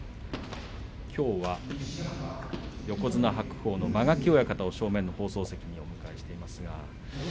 きょうは横綱白鵬の間垣親方を正面の解説にお迎えしています。